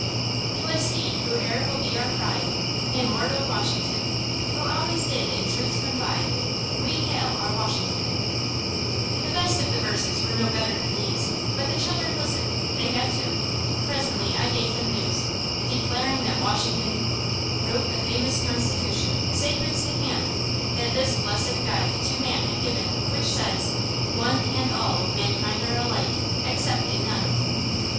'T was he who e'er will be our pride. Immortal Washington, Who always did in truth confide. We hail our Washington! [Illustration: TWOSCORE OF MY FELLOW CITIZENS PUBLIC SCHOOL, CHELSEA] The best of the verses were no better than these, but the children listened. They had to. Presently I gave them news, declaring that Washington Wrote the famous Constitution; sacred's the hand That this blessed guide to man had given, which says, "One And all of mankind are alike, excepting none."